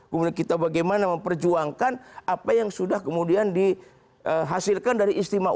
kemudian kita bagaimana memperjuangkan apa yang sudah kemudian dihasilkan dari istimewa ulama